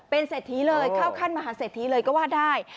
เป็นเศรษฐีเลยเข้าขั้นมหาเศรษฐีเลยก็ว่าได้